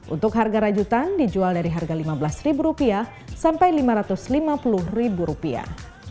untuk harga rajutan dijual dari harga lima belas rupiah sampai lima ratus lima puluh rupiah